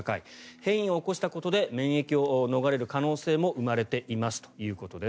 変異を起こしたことで免疫を逃れる可能性も生まれていますということです。